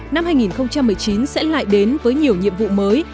năm hai nghìn một mươi chín sẽ lại đến với nhiều nhiệm vụ mới